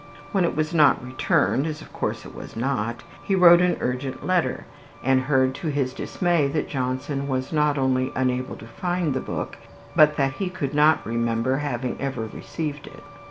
When it was not returned as of course it was not he wrote an urgent letter, and heard to his dismay that Johnson was not only unable to find the book, but that he could not remember having ever received it.